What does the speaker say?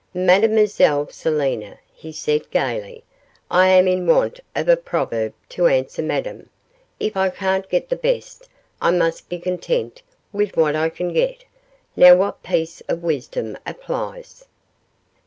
'Mademoiselle Selina,' he said, gaily, 'I am in want of a proverb to answer Madame; if I can't get the best I must be content with what I can get. Now what piece of wisdom applies?